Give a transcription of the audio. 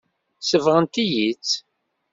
Sebɣent-iyi-tt.